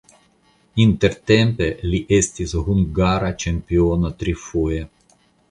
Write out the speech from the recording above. Intertempe li estis hungara ĉampiono trifoje.